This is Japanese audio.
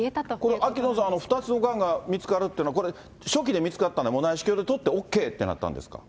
これ秋野さん、２つがんが見つかるっていうのは、これ、初期で見つかったんで、もう内視鏡で取ってＯＫってなったんですか。